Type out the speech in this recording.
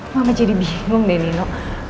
mama jadi bingung deh nino